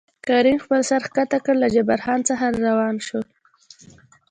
کريم خپل سر ښکته کړ له جبار کاکا څخه راوان شو.